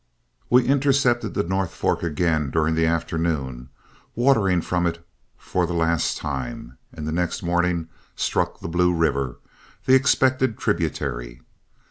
We intercepted the North Fork again during the afternoon, watering from it for the last time, and the next morning struck the Blue River, the expected tributary.